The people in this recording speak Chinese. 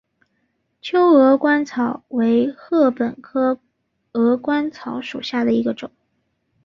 秋鹅观草为禾本科鹅观草属下的一个种。